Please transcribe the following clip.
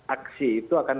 aksi itu akan